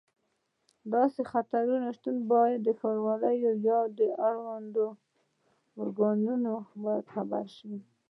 د داسې خطرونو شتون باید ښاروالۍ یا اړوندو ارګانونو ته خبر شي.